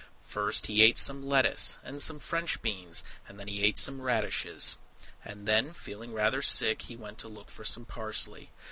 First he ate some lettuces and some French beans; and then he ate some radishes; And then, feeling rather sick, he went to look for some parsley.